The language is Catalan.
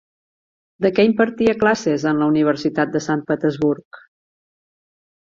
De què impartia classes en la Universitat de Sant Petersburg?